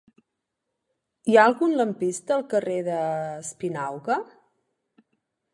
Hi ha algun lampista al carrer d'Espinauga?